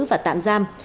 và tạm giam